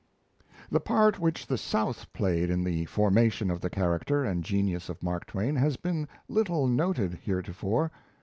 The part which the South played in the formation of the character and genius of Mark Twain has been little noted heretofore.